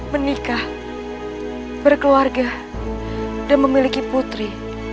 menikah berkeluarga dan memiliki putri